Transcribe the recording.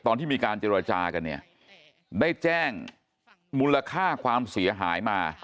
ตอนที่มีการเจรจากันเนี่ยได้แจ้งมูลค่าความเสียหายมา